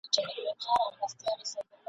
زما توجه ور واړوله ..